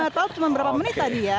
tau cuma berapa menit tadi ya